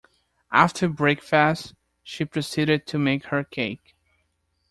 After breakfast she proceeded to make her cake.